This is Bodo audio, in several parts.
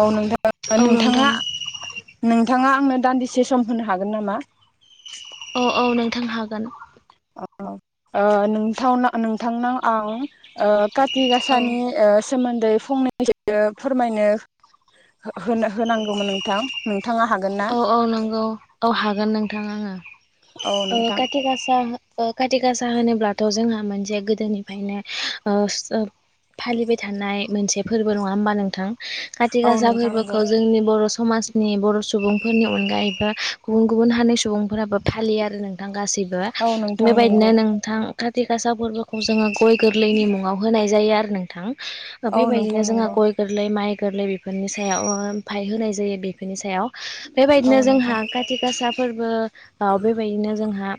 औ नोंथां औ नोंथां नोंथाङा [inaudible] नों नोंथाङा आंनो दान्दिसे सम होनो हागोन नामा? औ औ नोंथां हागोन। अ ओ नोंथावना नोंथांनाव आं ओ खा औ थिगासनि ओ सोमोन्दै फंनसो फोरमायनो हो-होनांगौमोन नोंथां नोंथाङा हागोन ना औ औ नंगौ औ हागोन नोंथां आङो औ ओ नोंथां खाथि गासा ओ खाथि गासा होनोब्लाथ' जोंहा मोनसे गोदोनिफ्रायनो ओ फालिबाय थानाय मोनसे फोरबो नङा होमबा नोंथां? खाथि औ गासा नोंथां नंगौ फोरबोखौ जोंनि बर' समाजनि बर' सुबुंफोरनि अनगायैबा गुबुन गुबुन हानि सुबुंफोराबो फालियो आरो नोंथां गासैबो औ नोंथां नंगौ बेबायदिनो नोंथां काति गासा फोरबोखौ जोङो गय गोरलैनि मुङाव होनाय जायो आरो नोंथां। औ नोंथां बेबायदिनो जोंहा नंगौ गय गोरलै माइ गोरलै बेफोरनि सायावफाय ओ होनाय जायो बेफोरनि सायाव औ बेबायदिनो नोंथां जोंहा खाथि गासा फोरबो अ बेबायदिनो जोंहा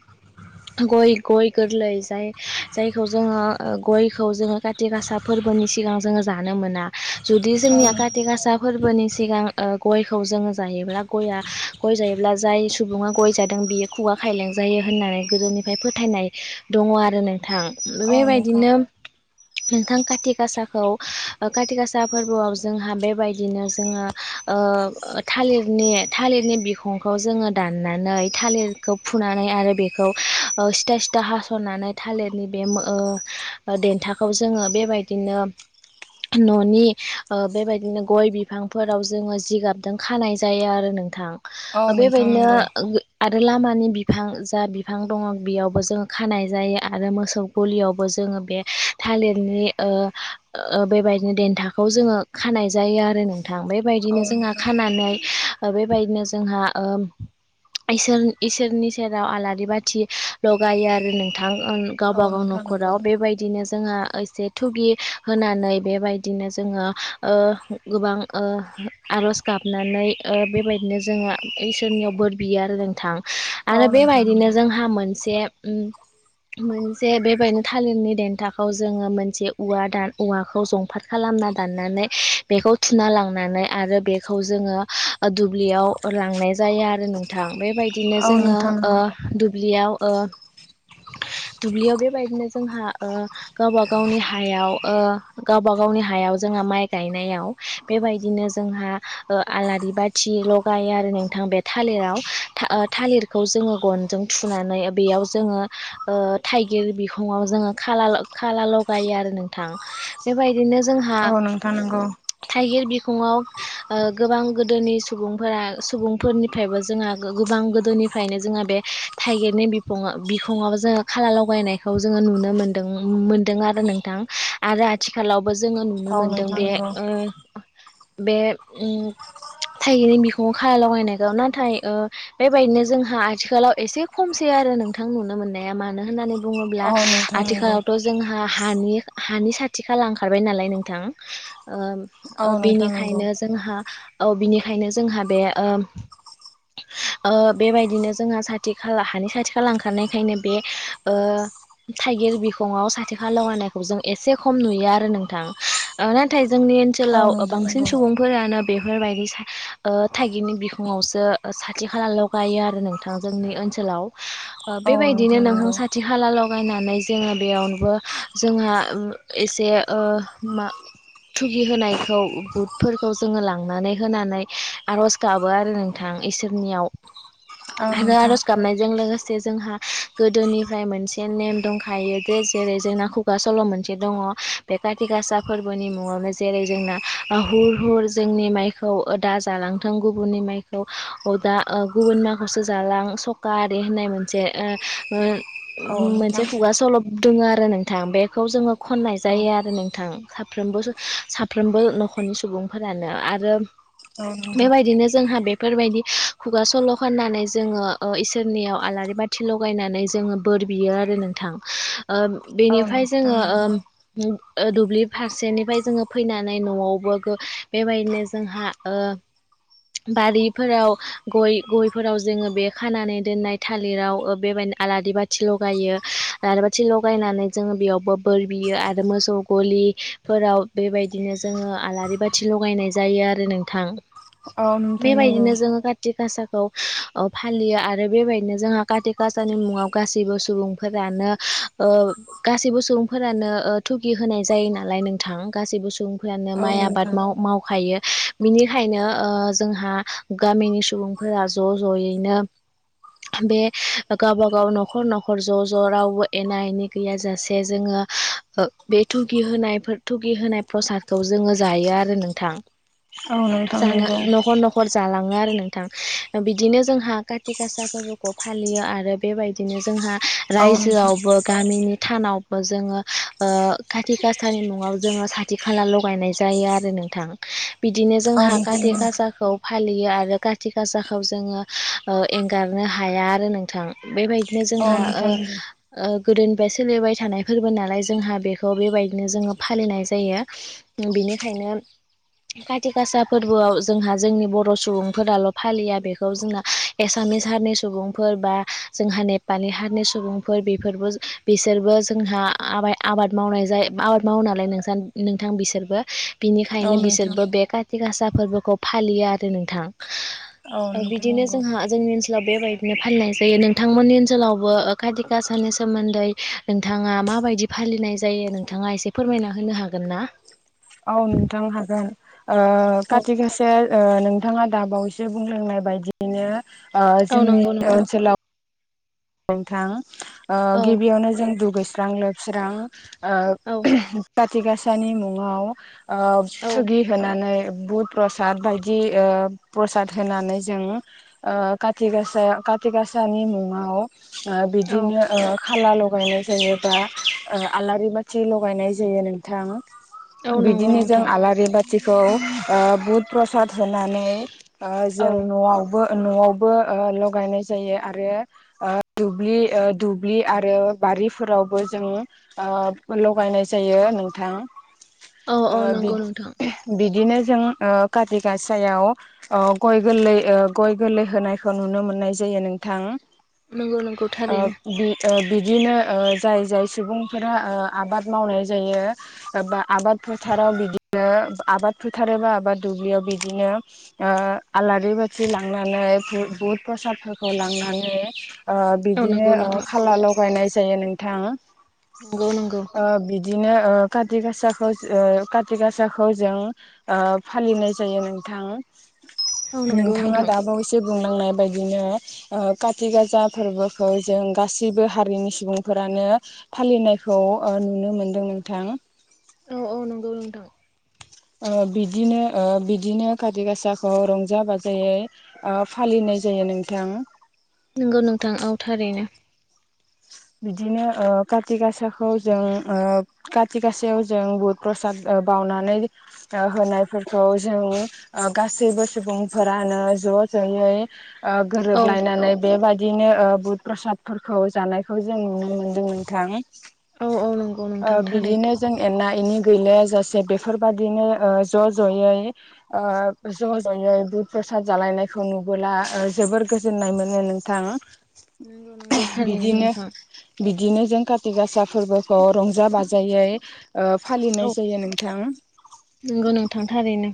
गय गय गोरलै जाय जायखौ जोङो गयखौ जोङो खाथि गासा फोर बोनि सिगां जोङो जानो मोना। जुदि औ जोंनिया खााथि गासा फोरबोनि सिगां ओ गयखौ जोङो जायोब्ला गय जायोब्ला जाय सुबुङा गय जादों बेयो खुगा खायलेंजायो होननानै गोदो निफ्राय फोथायनाय दङ आरो नों थां औ नोंथां बेबायदिनो नोंथां खाथि गासा खौ काथि गासा फोरबोआव जोंहा बेबायदिनो जोङो थालिरनि थालिरनि बिखंखौ जोङो दाननानै थालिरखौ फुनानै आरो बेखौ सिथा सिदा हास'नानै थालिरनि बे देन्थाखौ जोङो बेबायदिनो नो न'नि बेबायदिनो गय बिफांफोराव जोङो जि गाब दों खानाय जायो आरो नोंथां औ नोंथां बेबायदिनो नंगौ आरो लामानि बिफां जा बिफां दङ बेयावबो जों खानाय जायो आरो मोसौ गलियावबो जों बे थालिरनि बेबायदिनो देन्थाखौ जोङो खानाय जायो आरो नों थां बेबायदिनो औ जोंहा नोंथां खानानै बेबायदिनो जोंहा सोर इसोरनि सेराव आलारि बाथि लगायो आरो नोंथां थां औ गावबागाव नोंथां नंगौ न'खराव बेबायदिनो जोंहा एसे थगि होनानै बेबायदिनो जोङो गोबां आर'ज गाबनानै ओ बेबायदिनो जोङहा इसोरनियाव बोर बियो आरो नोंथां औ आरो नोंथां नंगौ बेबायदिनो जोंहा मोनसे उम मोनसे बेबायनो थालिरनि देन्थाखौ जोङो मोनसे औवा दान औवाखौ जंफाद खालामो [unintelligible] दाननानै बेखौ थुना लांनानै खौ जोङो दुब्लियाव लांनाय जायो आरो नोंथां बेबाय बिदिनो औ जोङो नोंथां नंगौ दुब्लियाव [inaudible] दुब्लियाव बेबायदिनो जोंहा गावबा गावनि हायाव गावबा गावनि हायाव जोंहा माइ गायनायाव बेबायदिनो जोंहा ओ आलारि बाथि लगायो आरो नोंथां बे थालिराव थालिरखौ जोङो गन जों थुनानै बिआव जोङो ओ थाइगिर बिखुंआव जोङो खाला ल--ल'गाय नोंथां बेबायदिनो जोंहा औ नोंथां नंगौ थाइगिर बिखङाव ओ गोबां गोदोनि सुबुंफोरा सुबुंफोरनिफ्रायबो जोंहा गोबां गोदोनिफ्रायनो जोंहा बे थाइगिरनि बिफ बिफङाव जोङो खाला लगायनायखौ जोङो नुनो मोनदों मोनदों आरो नोंथां आरो आथिखालावबो जोङो औ नुनो मोनदों नोंथां नंगौ बे उम थायैनि बिखौङ खालागनायखौ नाथाय बेबायदिनो जोंहा आथिखालाव एसे खमसि आरो नोंथां नुनो मोननाया मानो होन्नानै बुङोब्ला औ नोंथां नंगौ आथिखालावथ' जोंहा हानि हानि साथि खाला ओंखारबाय नालाय नोंथां औ नोंथां नंगौ बेनिखायनो औ बिनिखायनो जोंहा बे ओ बेबायदिनो जोंहा सथि खाला हानि साथि खाला ओंखारनायखायनो बे थाइगिर बिखङाव साथि खाालगानायखौ जों एसे खम नुयो आरो नोंथां नाथाय जोंनि औ ओनसोलाव नोंथां बांसिन नंगौ सुबुं नो बेफोरबायदि थाइागगिरनि बिखङावसो साथि खाललाल' गायो आरो नोंथांजों जोंनि ओनसोलव ओ औ बेबादिनो नोंथां नंगौ साथिखाला लगायनानै जोङो बेयावनोबो जोंहा एसे मा थुगि होनायखौ बुध फोरखौ जोङो लांनानै होनानै आर'ज गाबो आरो नोंथां इसोरनियाव औ आरो नोंथां आर'ज गाबनायजों लोगोसे से जोंहा गोदोनिफ्राय मोनसे नेम दंखायो दे जेरै जोंना खुगा सल' मोनसे दङ बे काति गासा फोरबोनि मुङावनो जेरै जोंना अ हुर हुर जोंनि माइखौ ओ दा जालांथों गुबुननि माइखौ अ दा गुबुन माइखौ सोजालां सका आरि होननाय मोनसे ओ ओ औ नोंथां मोनसे खुगा सल' दङो आरो नोंथां बेखौ जोङो खननाय औ जायो आरो नोंथां साफ्रबोस साफ्रोमबो नखर खरनि सुबुंफोरानो आरो औ नोंथां बेबायदिनो जोंहा बेफोरबायदि खुगा सल' होननानै जोङो इसोरनियाव आलारि बाथि लगायनानै जोङो बोर बियो आरो नोंथां ओ औ बेनिफ्राय नोंथां जोङो नंगौ ओम ओ दुब्लि फारसेनिफ्राय जोङो फैनानै न'आव बोगो बेबायदिनो जोंहा ओ बारिफोराव गय गयफोराव जोङो बे खानानै दोननाय थालिराव ओ बेबायदि आलारि बाथि लगायो आलारि बाथि लगायनानै जोङो बेयावबो बोर बियो आरो मोसौ गलि दुब्लिफोराव बेबायदिनो जोङो आलारि बाथि लगायनाय जायो आरो नोंथां औ नोंथां नंगौ बेबायदिनो जोङो काति गासा खौ ओ फालियो आरो बेबायदिनो जोंहा खाति गासानि मुङाव गासैबो सुबुंफोरानो ओ गासैबो सुबुंफोरानो ओ थुगि होनाय जायो नालाय नोंथां गासैबो सुबुंफोरा नो औ माइ आबाद नोंथां माव-मावखायो बिनिखायनो ओ जोंहा गामिनि सुबुंफोरा ज' ज'यैनो बे गावबा गाव न'खर न'खर ज' ज' रावबो एना एनि गैयाजासे जोङो ओ बे थुगि होनायफोर थुगिहोनाय प्रसाद खौ जोङो जायो आरो नोंथां औ नोंथां जानो नंगौ नखर नखर जालां ओ आरो नोंथां बिदिनो जोंहा काटि गासा फोरबोखौ फालियो आरो बेबायदिनो जोंहा औ नोंथां रायजोआवबो गामिनि थानावबो जोङो ओ खाथि गासानि मुङाव जोङो साथिखौ खाला लागायनाय जायो आरो नोंथां बिदिनो औ जोंहा नोंथां खाटि नंगौ गासाखौ फालियो आरो खाथि गासाखौ जोङो एंगारनो हाया आरो नोंथां बेबायदि बिदिनो औ जोंहा ओ नोंथां नंगौ ओ गोदोनिफ्राय सोलिबाय थानाय फोरबो नालाय जोंहा बेखौ बेबायदिनो जोङो फालिनाय जायो बिनिखायनो खाथि गासा फोरबोआव जोंहा जोंनि बर' सुबुंफोराल' फालिया बेखौ जोंना एसा मिस हारनि सुबुंफोर बा जोंहा नेपालि हारनि सुबुंफोर बेफोरबो बिसोरबो जों जोंहा आबाय आबाद मावनाय जायो आबाद मावो नालाय नोंसा नोंथां बिसोरबो बिनिखायनो औ नोंथां बिसोरबो बे काति गासा फोरबोखौ फालियो आरो नोंथां औ ओ नोंथां बिदिनो नंगौ जोंहा जोंनि ओनसोलाव बेबायदिनो फालिनाय जायो नोंथांमोननि ओनसोलावबो खाथि गासानि सोमोन्दै नोंथाङा मा बायदि फालिनाय जायो नोंथाङा एसे फोरमायना होनो हागोन ना औ नोंथां हागोन ओ औ खाथि गासाया ओ नोंथाङा दाबावैसो जे बुंलोंनाय बायदियैनो ओ औ जोंनि नंगौ नोंथां ओनसोलाव नोंथां ओ औ गिबियावनो जों दुगैस्रां लोबस्रां औ ओ काटि गाासानि मुङाव ओ औ थुगि होनानै बुद प्रसाद बायदि ओ प्रसाद होनानै जों ओ कटि गासा काटि गासानि मुङाव ओ औ बिदिनो ओ खाला लगायनाय जायो बा ओ आलारि बाथि लगायनाय जायो औ नोंथां नंगौ बिदिनो जों नोंथां आलारि बाथिखौ ओ बुध प्रसाद होनानै ओ औ जों न'आवबो न'आवबो ओ लगायनाय जायो आरो ओ दुब्लि ओ दुब्लि आरो बारिफोरावबो जोङो ओ लगायनाय जायो नोंथां औ ओ औ नंगौ बिद नोंथां बिद बिदिनो जों ओ काति गाासायाव गय गोरलै गय गोरलै होनायखौ नुनो मोननाय जायो नोंथां। नंगौ नंगौ ओ थारैनो। बि ओ बिदिनो ओ जाय जाय सुबुंफोरा ओ आबाद मावनाय जायो बा आबाद फोथाराव बिदिनो आबाद फोथार एबा आबाद दुब्लियाव बिदिनो ओ आलारि बाथि लांनानै बुत प्रसादफोरखौ लांनानै ओ औ बिदिनो नंगौ ओ नोंथां खाला लगायनाय जायो नोंथां। नंगौ नंगौ ओ बिदिनो ओ काति गासाखौ ओ काति गासाखौ जों ओ फालिनाय जायो नों थां औ नंगौ नोंथाङा नोंथां दाबावसो बुंलांनाय बायदिनो ओ काति गासा फोरबोखौ जों गासैबो हारिनि सुबुंफोरानो फालिनायखौ ओ नुनो मोनदों नोंथां औ औ नंगौ नोंथां। ओ‌ बिदिनो ओ बिदिनो काति गासाखौ रंजा बाजायै फालिनाय जायो नोंथां। नोंगौ नोंथां औ थारैनो बिदिनो ओ काति गासाखौ जों ओ काति गाासायाव जों बुद प्रसात ओ‌ बावनानै ओ होनाय जों गासैबो सुबुंफोरानो ज' ज' जयै ओ औ गोरोबलायनानै बेबायदिनो ओ बुद प्रसादफोरखौ जानाय खौ जों नुनो मोनदोंमोन नोंथां। औ औ नों ओ बिदिनो जों एननाय एनि गैलायाजासे बेफोरबायाददिनो ओ ज' ज'यै ओ ज' ज'यै गु प्रसाद जालायनायखौ नुबोला ओ जोबोर गोजोननाय मोनो नोंथां। नोंगौ नोंगौ थारैनो बिदिनो नोंथां बिदिनो जों काति गासा फोरबोखौ रंजा बाजायै ओ‌ औ फालिनाय जायो नोंथां। नंगौ नोंथां थारैनो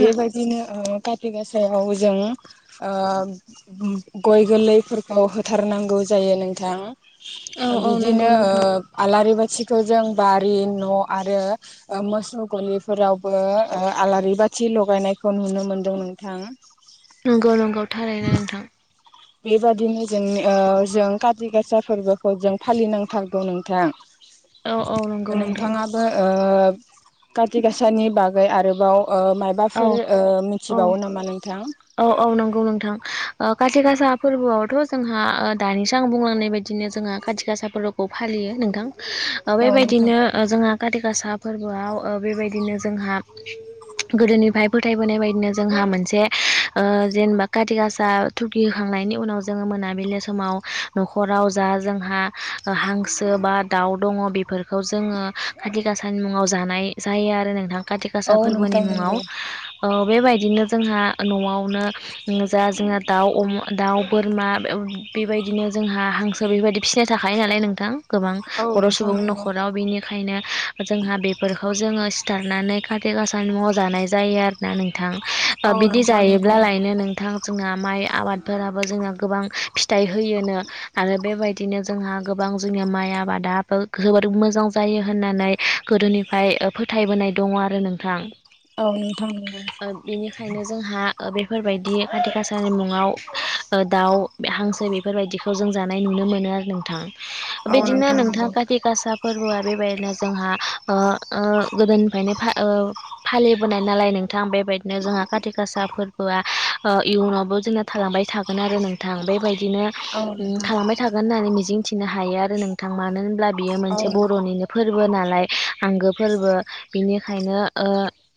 बेबायायदिनो ओ खाथि गासायाव जों ओ गय गोरलैफोरखौ होथारनांगौ जायो नोंथां औ ओ औ नंगौ बिदिनो ओ नोंथां आलारि बाथि खौ जों बारि न' आरो ओ मोसौ गलिफोरावबो आलारि बाथि थि लगायनायखौ नुनो मोन्दों नोंथां। नंगौ नंगौ थारायनो नोंथां बेबादिनो जों जों ओ काति गासा फोरबोखौ जों फालिनांथारगौ औ औ नंगौ नोंथां नोंथां नोंथाङाबो ओ काति गाासानि बागै आरोबाव ओ औ मायबाफोर ओ औ मिथिबावो नामा नोंथां? औ औ नंगौ नोंथां ओ काति गासा फोरबोआवथ' जोंहा दानिसो आं बुंलांनाय बायदिनो जोंहा खााथि गासा फोरबोखौ फालियो नोंथां। ओ औ नोंथां बेबायदिनो ओ जोंहा खाति गासा फोरबोआव ओ बेबायदिनो जोंहा गोदोनिफाय फोथायबोनाय बायदिनो जोंहा मोनसे ओ जेनेबा काति गासा थुखि होखांनायनि उनाव जोङो मोनाबिलि समाव न'खराव राव जा जोंहा हांसो बा दाउ दङ बेफोरखौ जोङो काति गाासानि मुं मुङाव जानाय जायो आरो नोंथां काति गासा औ फोरबोनि नोंथां मुङाव नंगौ औबेबायदिनो जोंहा न'आवनो जा जोंहा दाउ अमा दाउ बोरमा बेबायदिनो जोंहा हांसो बेबायदि फिसिनाय थाखायो नालाय नोंथां गोबां औ बर' नोंथां सुबुंनि नंगौ न'खराव बिनि ओंखायनो जोंहा बेफोरखौ जोङो सिथारनानै काति गासानि मुङाव जानाय जायो आरोना नोंथां। औ ओ बिदि नोंथां जायोब्ला नंगौ लायनो नोंथां जोंहा माइ आबादफोराबो जोंना गोबां फिथाइ होयोनो आरो बेबायदिनो जोंहा गोबां बां जोंनि माय आबादाबो मोजां जायो होननानै गोदोनिफ्राय फोथायबोनाय दं। दङ' आरो नोंथां। औ नोंथां नंगौ ओंखायनो जोंहा ओ बेफोरबायदि खाथि गासाानि मुङाव ओ दाउ हांसो बेफोरबायदि इखौ जों जानाय नुनो मोनो आरो नोंथां औ बेदिनो नोंथां नंगौ काति गासा फोरबोआ बेबायदिनो जोंहा ओ ओ गोदोनिफ्रायनो फा ओ फालिबोनाय नालाय नोंथ थां बेबायदिनो जोंहा सा फोरबोआ ओ इयुनावबो जोंना थालांबाय थागोन आरो नोंथां बेबाय बिदिनो औ उम नोंथां थालांबाय थागोन होन्नानै मिजिंथिनो हायो आरो नोंथां मानो होन ब्ला बियो औ मोनसे बर'निनो फोर फोरबो नालाय आंगो फोरबो बिनिखायनो ओ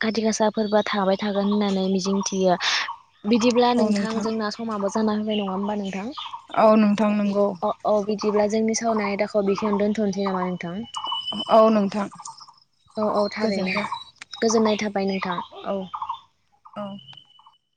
काति गासा फोरबोआ थाबाय थागोन होनना नै मिजिंथियो बिदिब्ला नोंथां जोंना समाबो जाना होबाय नङा होम्बा नोंथां? औ नोंथां नोंगौ। अ औ बिदिब्ला जोंनि सावनाय आयदाखौ बिखिनियावनो दोनथ'नोसै नामा नोंथां। औ नोंथां गोजोन्थों। गोजोन्नाय थाबाय नोंथां औ। औ।